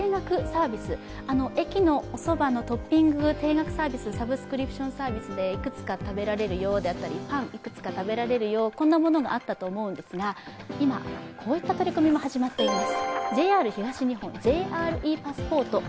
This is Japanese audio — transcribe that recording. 駅のおそばのトッピング定額サービス、サブスクプションサービスで食べられるよ、パン、いくつか食べられるよ、こんなものがあったと思うんですが今、こういった取り組みも始まっています。